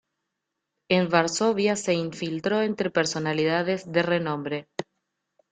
En Varsovia, se infiltró entre personalidades de renombre.